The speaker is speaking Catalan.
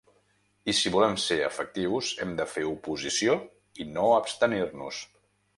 I si volem ser efectius hem de fer oposició, i no abstenir-nos.